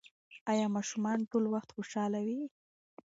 ایا ماشومان ټول وخت خوشحاله وي؟